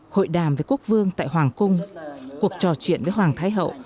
hội đàm với quốc vương tại hoàng cung cuộc trò chuyện với hoàng thái hậu